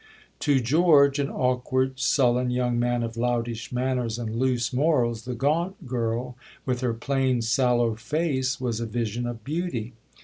To George an awkward, sullen young man of loutish manners and loose morals the gaunt girl, with her plain, sallow face, was a vision of beauty.